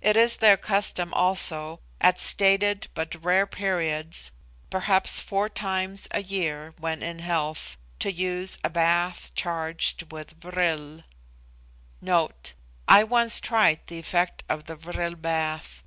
It is their custom also, at stated but rare periods, perhaps four times a year when in health, to use a bath charged with vril.* * I once tried the effect of the vril bath.